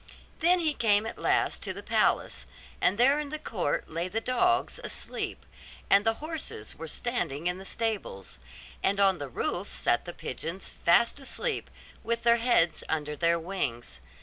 Then he came at last to the palace, and there in the court lay the dogs asleep; and the horses were standing in the stables; and on the roof sat the pigeons fast asleep, with their heads under their wings.